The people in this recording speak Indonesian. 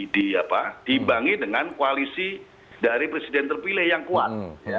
diimbangi dengan koalisi dari presiden terpilih yang kuat